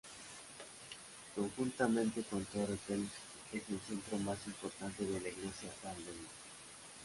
Conjuntamente con Torre Pellice es el centro más importante de la Iglesia Valdense.